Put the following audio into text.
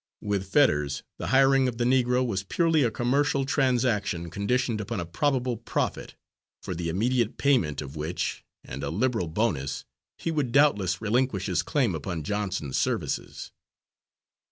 With Fetters the hiring of the Negro was purely a commercial transaction, conditioned upon a probable profit, for the immediate payment of which, and a liberal bonus, he would doubtless relinquish his claim upon Johnson's services.